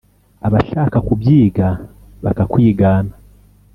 abashaka kubyiga bakakwigana